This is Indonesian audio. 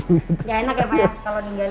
gak enak ya pak ya kalau ninggalin ya